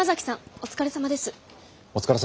お疲れさまです。